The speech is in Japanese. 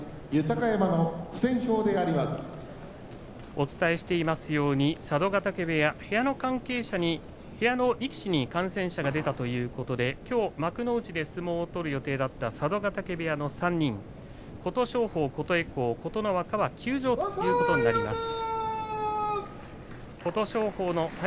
お伝えしていますように佐渡ヶ嶽部屋、部屋の力士に感染者が出たということできょう幕内で相撲を取る予定だった３人佐渡ヶ嶽部屋の力士たち休場ということになります。